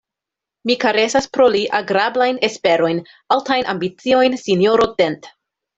Mi karesas pro li agrablajn esperojn, altajn ambiciojn, sinjoro Dent.